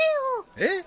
えっ？